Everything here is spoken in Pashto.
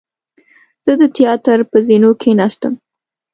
زه د تیاتر پر زینو کېناستم.